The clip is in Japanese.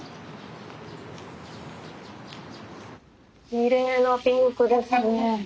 きれいなピンクですね。